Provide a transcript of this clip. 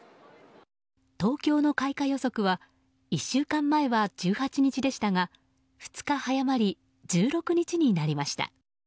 東京の開花予測は１週間前は１８日でしたが２日早まり、１６日になりました。